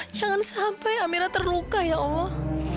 jangan sampai amira terluka ya allah